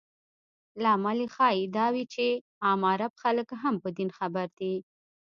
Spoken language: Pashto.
لامل یې ښایي دا وي چې عام عرب خلک هم په دین خبر دي.